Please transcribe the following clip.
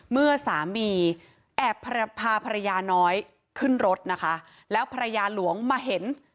เมื่อสามีแอบพาภรรยาน้อยขึ้นรถนะคะแล้วภรรยาหลวงมาเห็น